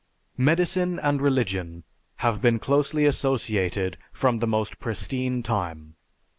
Medicine and religion have been closely associated from the most pristine time.